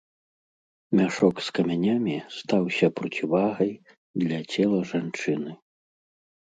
Мяшок з камянямі стаўся процівагай для цела жанчыны.